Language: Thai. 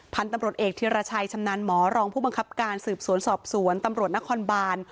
พันธุ์ตำรวจเอกธิรชัยชำนาญหมอรองผู้บังคับการสืบสวนสอบสวนตำรวจนครบาน